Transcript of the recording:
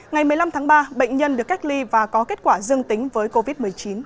ngày một mươi năm tháng ba bệnh nhân được cách ly và có kết quả dương tính với covid một mươi chín